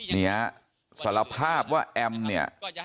เนี่ยสารภาพว่าแอมเนี่ย